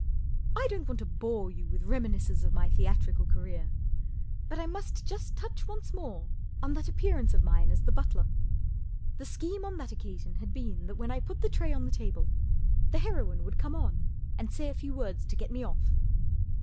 I don't want to bore you with reminis¬ cences of my theatrical career, but I must just touch once more on that appearance of mine as the butler. The scheme on that occa¬ sion had been that when I put the tray on the table the heroine would come on and say a few words to get me off.